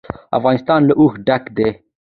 افغانستان له اوښ ډک دی.